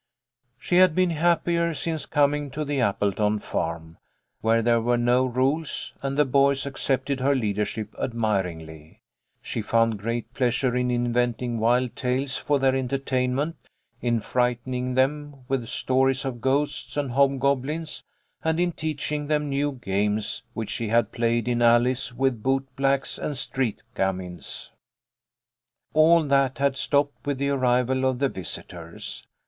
She had been happier since coming to the Apple ton farm, where there were no rules, and the boys accepted her leadership admiringly. She found great pleasure in inventing wild tales for their entertainment, in frightening them with stories of ghosts and hobgoblins, and in teaching them new 5O THE LITTLE COLONEL'S HOLIDAYS. games which she had played in alleys with boot blacks and street gamins. All that had stopped with the arrival of the visitors.